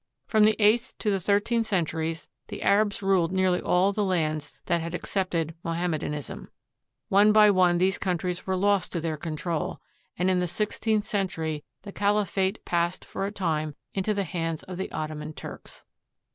From the eighth to the thirteenth centuries the Arabs ruled nearly all the lands that had accepted Mohammedanism. One by one these countries were lost to their control, and in the sixteenth century the caliphate passed for a time into the hands of the Ottoman Turks.